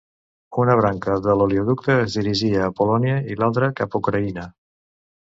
Una branca de l'oleoducte és dirigida a Polònia i l'altra cap a Ucraïna.